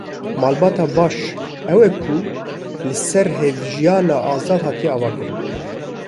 Malbata baş, ew e ya ku li ser hevjiyana azad hatiye avakirin.